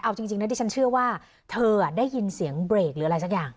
เอาจริงนะดิฉันเชื่อว่าเธอได้ยินเสียงเบรกหรืออะไรสักอย่าง